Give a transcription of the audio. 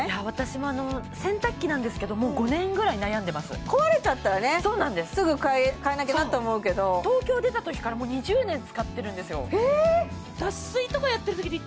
私も洗濯機なんですけどもう５年ぐらい悩んでます壊れちゃったらねすぐ買い替えなきゃなって思うけど東京出たときからもう２０年使ってるんですよ